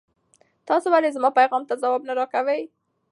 تاسو ولې زما پیغام ته ځواب نه راکوئ؟